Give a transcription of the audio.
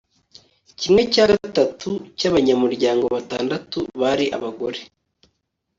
Kimwe cya gatatu cyabanyamuryango batandatu bari abagore